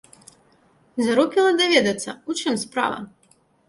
Зарупіла даведацца, у чым справа.